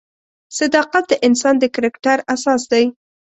صداقت د انسان د کرکټر اساس دی.